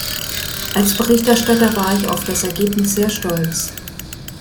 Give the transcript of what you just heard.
Als Berichterstatter war ich auf das Ergebnis sehr stolz.